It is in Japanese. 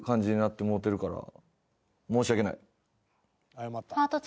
謝った。